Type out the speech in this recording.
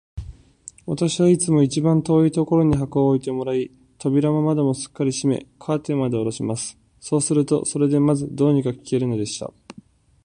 私はいつも一番遠いところに箱を置いてもらい、扉も窓もすっかり閉め、カーテンまでおろします。そうすると、それでまず、どうにか聞けるのでした。